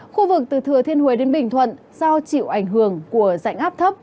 khu vực từ thừa thiên huế đến bình thuận do chịu ảnh hưởng của dạnh áp thấp